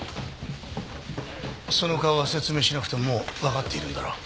その顔は説明しなくてももうわかっているんだろう。